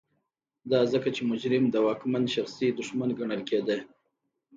دا ځکه چې مجرم د واکمن شخصي دښمن ګڼل کېده.